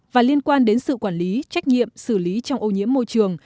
và liên quan đến sự quản lý trách nhiệm xử lý trong ô nhiễm môi trường